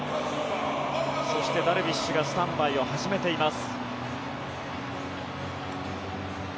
そして、ダルビッシュがスタンバイを始めています。